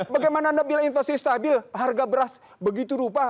bagaimana anda bilang inflasi stabil harga beras begitu rupa